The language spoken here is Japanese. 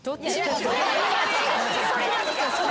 それなんですよ